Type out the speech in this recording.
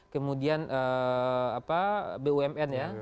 kemudian bumn ya